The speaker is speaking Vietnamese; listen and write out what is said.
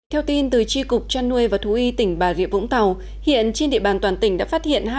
theo tin từ tri cục trăn nuôi và thú y tỉnh bà rịa vũng tàu hiện trên địa bàn toàn tỉnh đã phát hiện